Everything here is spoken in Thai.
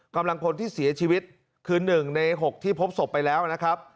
กำลังพลที่เสียชีวิตคือ๑ใน๖ที่พบศพไปแล้วนะครับ